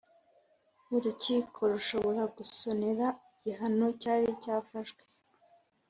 Urukiko rushobora gusonera igihano cyari cyafashwe